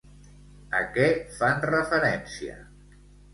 A què fan referència?